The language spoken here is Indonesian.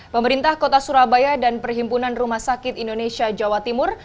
pemerintah kota surabaya dan perhimpunan rumah sakit indonesia jawa timur